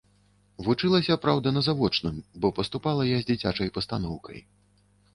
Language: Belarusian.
Вучылася, праўда, на завочным, бо паступала я з дзіцячай пастаноўкай.